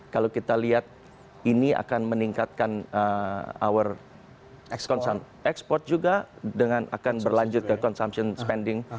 kalau kita lihat ini akan meningkatkan our export juga dengan akan berlanjut ke consumption spending